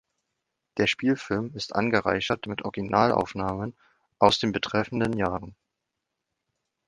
Der Spielfilm ist angereichert mit Originalaufnahmen aus den betreffenden Jahren.